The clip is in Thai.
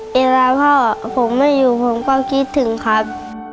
เวลาพ่อผมไม่อยู่ผมก็คิดถึงครับ